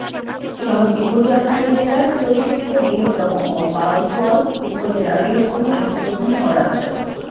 শহরটি পটুয়াখালী জেলার চতুর্থ বৃহত্তম ও বাউফল উপজেলার বৃহত্তম এবং প্রধান শহরাঞ্চল।